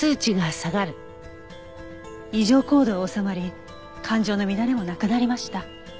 異常行動は収まり感情の乱れもなくなりました。